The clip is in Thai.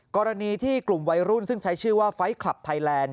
กรณีที่กลุ่มวัยรุ่นซึ่งใช้ชื่อว่าไฟล์คลับไทยแลนด